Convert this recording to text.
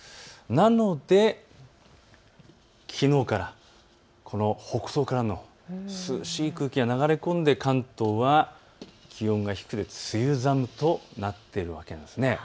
なので、きのうから北東からの涼しい空気が流れ込んで関東は気温が低くて梅雨寒となっているわけなんです。